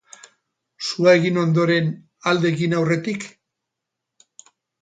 Sua egin ondoren, alde egin aurretik?